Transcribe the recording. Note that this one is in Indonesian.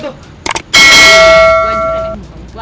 kamu udah bongin tante